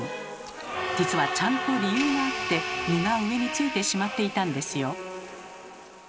実はちゃんと理由があって身が上についてしまっていたんですよ。